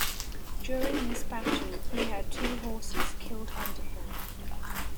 During this battle, he had two horses killed under him.